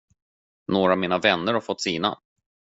Några av mina vänner har fått sina.